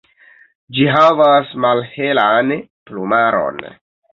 Ĝi havas malhelan plumaron.